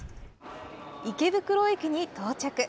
池袋駅に到着。